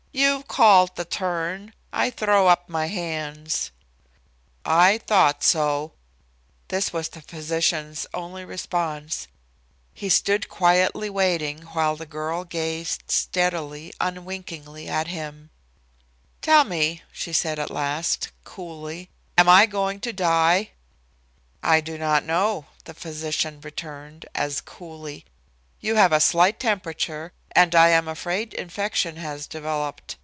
"You've called the turn. I throw up my hands." "I thought so." This was the physician's only response. He stood quietly waiting while the girl gazed steadily, unwinkingly at him. "Tell me," she said at last, coolly, "am I going to die?" "I do not know," the physician returned, as coolly. "You have a slight temperature, and I am afraid infection has developed.